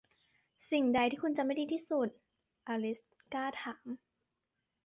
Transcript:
'สิ่งใดที่คุณจำได้ดีที่สุด ?' อลิซกล้าถาม